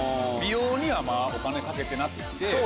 美容にはお金かけてなくって。